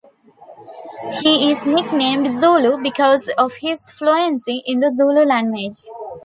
He is nicknamed "Zulu" because of his fluency in the Zulu language.